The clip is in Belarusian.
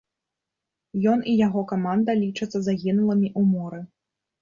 Ён і яго каманда лічацца загінулымі ў моры.